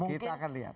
kita akan lihat